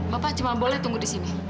bapak cuma boleh tunggu di sini